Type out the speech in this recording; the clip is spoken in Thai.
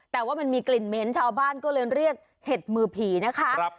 แต่ว่ามันมีกลิ่นเหม็นชาวบ้านก็เลยเรียกเห็ดมือผีนะคะ